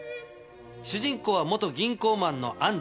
主人公は銀行マンの。